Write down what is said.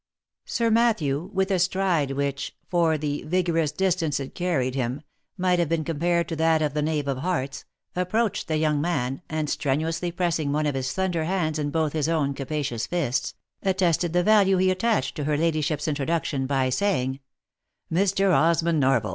Sir Matthew, with a stride which, for the vigorous distance it carried him, might have been compared to that of the knave of hearts, ap proached the young man, and strenuously pressing one of his slender hands in both his own capacious fists, attested the value he attached to her ladyship's introduction by saying, " Mr. Osmond Norval